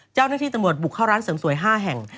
เจ้าหน้าที่ตำรวจบุกเข้าร้านเสริมสวย๕แห่ง